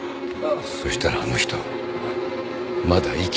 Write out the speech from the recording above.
そしたらあの人まだ生きていた。